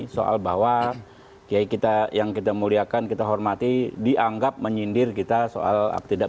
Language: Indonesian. soal bahwa kiai kita yang kita muliakan kita hormati dianggap menyindir kita soal tidak